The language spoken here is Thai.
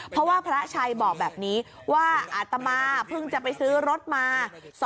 เพราะว่าพระชัยบอกแบบนี้ว่าอาตมาเพิ่งจะไปซื้อรถมา